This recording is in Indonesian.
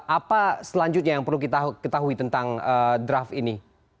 apa selanjutnya yang perlu kita ketahui tentang draft ini